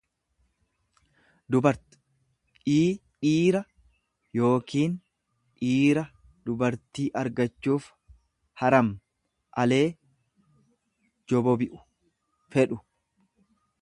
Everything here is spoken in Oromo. dubart ii dhiira yookiin dhiira dubartii argachuuf haram alee.jobobi'u, fedhu.